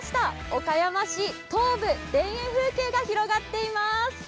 岡山市東部、田園風景が広がっています。